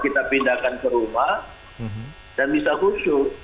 kita bisa pindahkan ke rumah dan bisa khusyuk